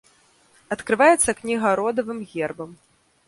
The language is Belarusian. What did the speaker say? Адкрываецца кніга родавым гербам.